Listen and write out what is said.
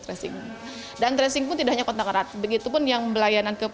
trasing dan tracing pun tidaknya kontak erat begitu pun yang belayanan ke